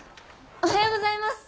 おはようございます！